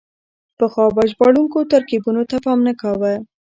پخوا به ژباړونکو ترکيبونو ته پام نه کاوه.